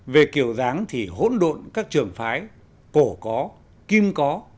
về kiểu dáng thì hỗn độn các trường phái cổ có kim có